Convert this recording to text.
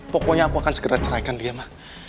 pokoknya aku akan segera ceraikan dia mah